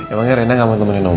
emangnya rena gak mau temenin oma